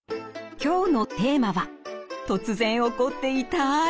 今日のテーマは突然起こって痛い